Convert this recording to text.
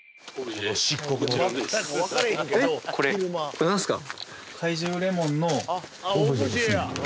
これ何すか！？